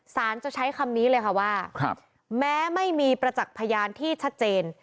จะใช้คำนี้เลยค่ะว่าแม้ไม่มีประจักษ์พยานที่ชัดเจน